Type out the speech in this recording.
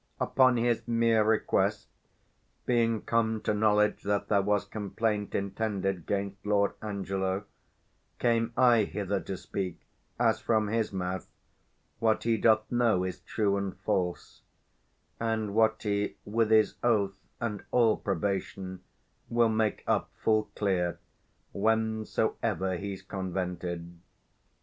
Upon his mere request, Being come to knowledge that there was complaint Intended 'gainst Lord Angelo, came I hither, To speak, as from his mouth, what he doth know 155 Is true and false; and what he with his oath And all probation will make up full clear, Whensoever he's convented.